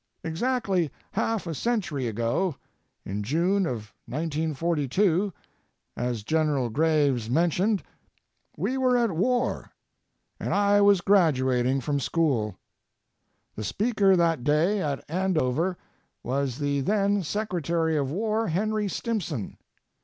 Exactly half a century ago, in June of 1942, as General Graves mentioned, we were at war, and I was graduating from school. The speaker that day at Andover was the then Secretary of War, Henry Stimson.